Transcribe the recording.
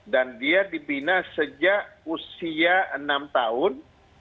dan dia dibina sejak usia enam tahun